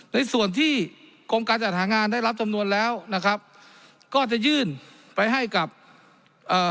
ในส่วนที่กรมการจัดหางานได้รับจำนวนแล้วนะครับก็จะยื่นไปให้กับเอ่อ